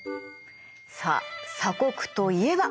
さあ鎖国といえば？